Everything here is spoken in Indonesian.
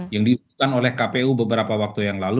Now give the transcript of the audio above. yang diusulkan oleh kpu beberapa waktu yang lalu